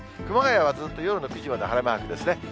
熊谷はずっと夜の９時まで晴れマークですね。